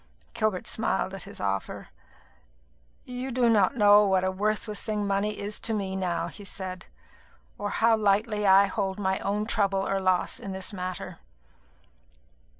Gilbert smiled at this offer. "You do not know what a worthless thing money is to me now," he said, "or now lightly I hold my own trouble or loss in this matter."